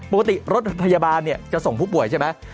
ปกติรถพยาบาลจะส่งผู้ป่วยใช่ไหม